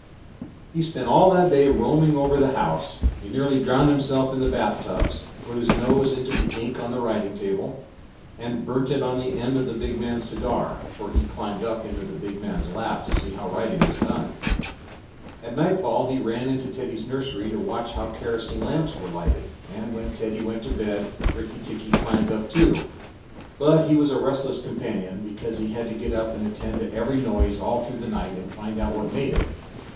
He spent all that day roaming over the house. He nearly drowned himself in the bath tubs, put his nose into the ink on a writing table, and burned it on the end of the big man's cigar, for he climbed up in the big man's lap to see how writing was done. At nightfall he ran into Teddy's nursery to watch how kerosene lamps were lighted, and when Teddy went to bed Rikki tikki climbed up too. But he was a restless companion, because he had to get up and attend to every noise all through the night, and find out what made it.